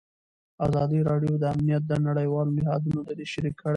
ازادي راډیو د امنیت د نړیوالو نهادونو دریځ شریک کړی.